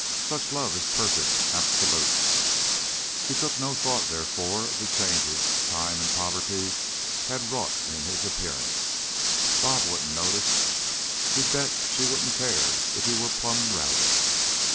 Such love is perfect, absolute. He took no thought, therefore, of the changes time and poverty had wrought in his appearance: "Bob" wouldn't notice. He bet she wouldn't care if he was plumb ragged.